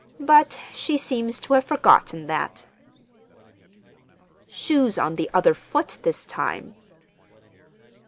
"But—she seems to have forgotten that." "Shoe's on the other foot this time."